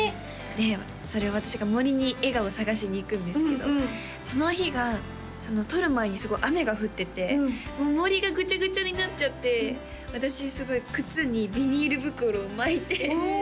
でそれを私が森に笑顔を探しに行くんですけどその日が撮る前にすごい雨が降ってて森がぐちゃぐちゃになっちゃって私すごい靴にビニール袋を巻いておお！